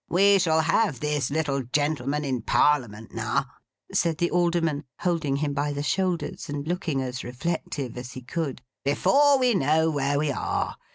We shall have this little gentleman in Parliament now,' said the Alderman, holding him by the shoulders, and looking as reflective as he could, 'before we know where we are.